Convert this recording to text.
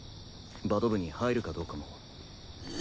バド部に入るかどうかも。